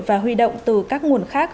và huy động từ các nguồn khác